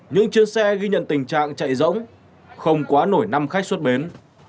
những chuyến xe ghi nhận tình trạng chạy rỗng không quá nổi năm khách xuất bến